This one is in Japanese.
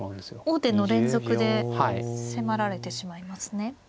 王手の連続で迫られてしまいますね。